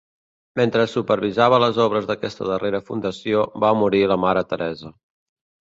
Mentre supervisava les obres d'aquesta darrera fundació, va morir la mare Teresa.